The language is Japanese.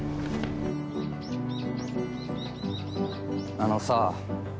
あのさ。